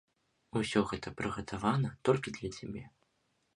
Усё гэта прыгатавана толькі для цябе.